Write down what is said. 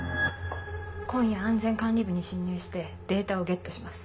今夜安全管理部に侵入してデータをゲットします。